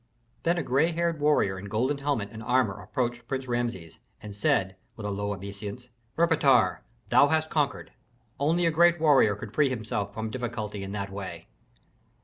Then a gray haired warrior in golden helmet and armor approached Prince Rameses and said with a low obeisance, "Erpatr, thou hast conquered. Only a great warrior could free himself from difficulty in that way."